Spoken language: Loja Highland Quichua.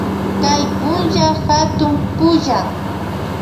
Kay punlla katun pulla.